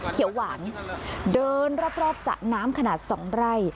เขียวหวานเดินรอบสระน้ำขนาด๒ไร่